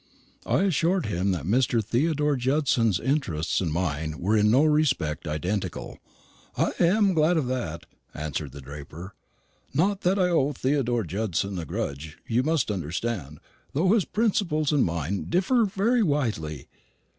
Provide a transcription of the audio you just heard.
I assured him that Mr. Theodore Judson's interests and mine were in no respect identical. "I am glad of that," answered the draper; "not that I owe Theodore Judson a grudge, you must understand, though his principles and mine differ very widely.